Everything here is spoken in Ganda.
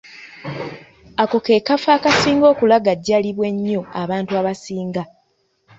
Ako ke kafo akasinga okulagajjalibwa ennyo abantu abasinga.